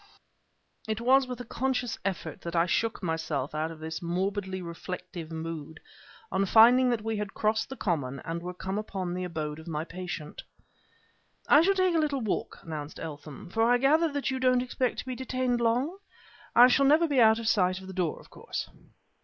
It was with a conscious effort that I shook myself out of this morbidly reflective mood, on finding that we had crossed the common and were come to the abode of my patient. "I shall take a little walk," announced Eltham; "for I gather that you don't expect to be detained long? I shall never be out of sight of the door, of course."